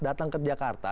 datang ke jakarta